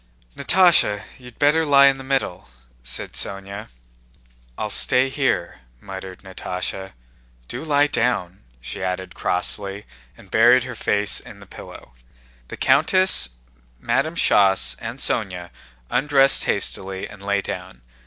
"Natásha, you'd better lie in the middle," said Sónya. "I'll stay here," muttered Natásha. "Do lie down," she added crossly, and buried her face in the pillow. The countess, Madame Schoss, and Sónya undressed hastily and lay down.